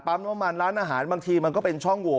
น้ำมันร้านอาหารบางทีมันก็เป็นช่องโหว